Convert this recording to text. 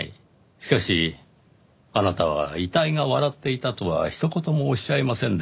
しかしあなたは遺体が笑っていたとはひと言もおっしゃいませんでした。